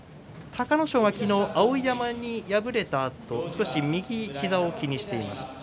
隆の勝は昨日、碧山に敗れたあと少し右膝を気にしていました。